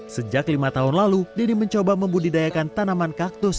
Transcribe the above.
sejak lima tahun lalu denny mencoba membudidayakan tanaman kaktus